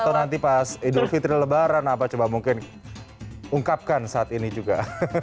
atau nanti pas idul fitri lebaran apa coba mungkin ungkapkan saat ini juga